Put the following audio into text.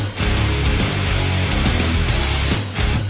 ถ้าล้นล้นนะกูเรียบประกันนะ